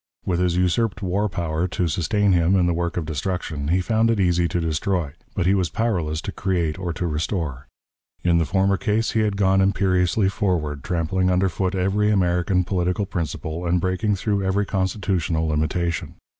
With his usurped war power to sustain him in the work of destruction, he found it easy to destroy; but he was powerless to create or to restore. In the former case, he had gone imperiously forward, trampling under foot every American political principle, and breaking through every constitutional limitation.